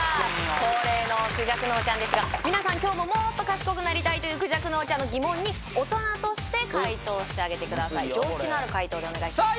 恒例の孔雀脳ちゃんですが皆さん今日ももっと賢くなりたいという孔雀脳ちゃんの疑問に大人として解答してあげてください常識のある解答でお願いしますねさあ